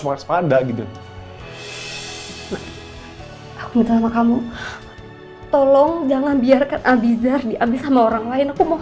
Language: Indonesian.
waspada gitu aku minta sama kamu tolong jangan biarkan abizar diambil sama orang lain aku mau